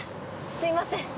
すいません。